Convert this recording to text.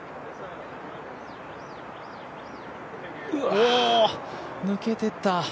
おお抜けてった。